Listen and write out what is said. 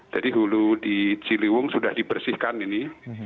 jadi hulu di jiliwung sudah dibersihkan ini